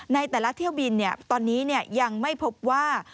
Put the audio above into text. ในแต่ละเที่ยวบินตอนนี้ยังไม่พบว่า